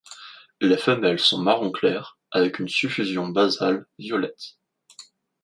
Les femelles sont marron clair avec une suffusion basale violette.